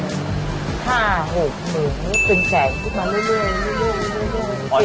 เป็นแก่งขึ้นมาเรื่อย